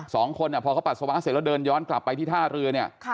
สองคนพอเขาปัสสาวะเสร็จแล้วเดินย้อนกลับไปที่ท่าเรือเนี่ย